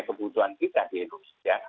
kebutuhan kita di indonesia